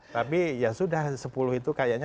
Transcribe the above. tapi ya sudah sepuluh itu kayaknya